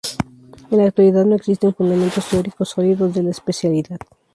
En la actualidad no existen fundamentos teóricos sólidos de la especialidad.